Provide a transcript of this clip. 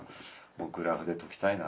僕グラフで解きたいな。